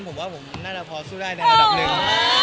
ผมว่าผมน่าจะพอสู้ได้ในระดับหนึ่ง